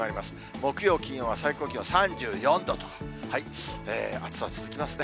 木曜、金曜は最高気温３４度と、暑さ続きますね。